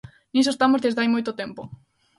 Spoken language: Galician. Niso estamos desde hai moito tempo.